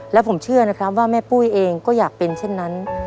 และผมเชื่อนะครับว่าแม่ปุ้ยเองก็อยากเป็นเช่นนั้น